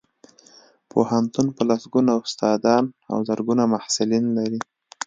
پوهنتون په لسګونو استادان او زرګونه محصلین لري